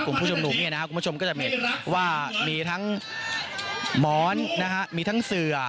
คุณผู้ชมนุมเนี่ยนะครับคุณผู้ชมก็จะเห็นว่ามีทั้งหมอนนะฮะมีทั้งเสือ